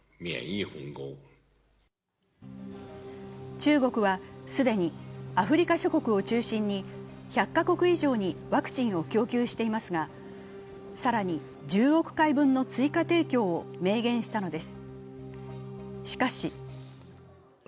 中国は既にアフリカ諸国を中心に１００カ国以上にワクチンを供給していますが、更に１０億回分の追加提供を明言したのです。